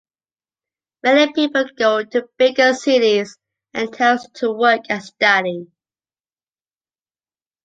Many people go to bigger cities and towns to work and study.